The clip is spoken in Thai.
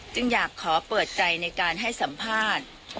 จึงอยากขอเปิดใจในการให้สัมภาษณ์